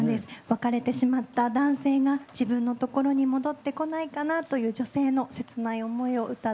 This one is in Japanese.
別れてしまった男性が自分のところに戻ってこないかなという女性の切ない思いを歌っています。